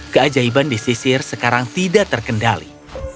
keajaiban di sisir sekarang tidak terkendali